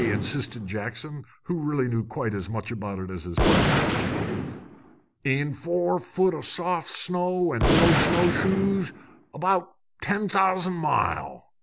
insisted Jackson, who really knew quite as much about it as his partner. "In four foot o' soft snow, an' no snowshoes, about ten thousan' mile!"